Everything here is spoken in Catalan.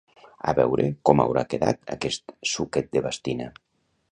A veure com haurà quedat aquest suquet de bastina